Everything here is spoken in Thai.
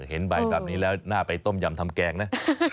เห็นใบแบบนี้แล้วน่าไปต้มยำทำแกงนะ